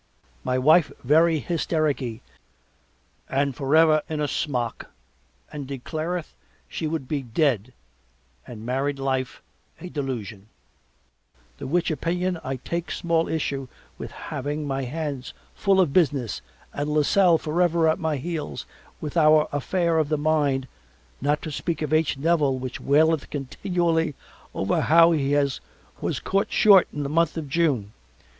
My wife very hystericky and forever in a smock and declareth she would be dead and married life a delusion, the which opinion I take small issue with having my hands full of business and Lasselle forever at my heels with our affair of the mine not to speak of H. Nevil which waileth continually over how he was caught short in the month of June.